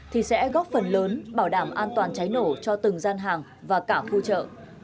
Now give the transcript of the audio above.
thì sẽ góp phần lớn bảo đảm an toàn cháy nổ cho từng gian hàng và cả khu chợ